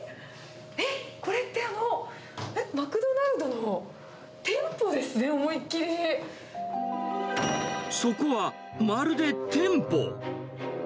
えっ、これって、あの、マクドナルドの店舗ですね、そこはまるで店舗。